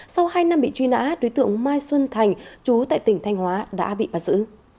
sau hai năm bị truy nã đối tượng mai xuân thành chú tại tỉnh thanh hóa đã bị bắt giữ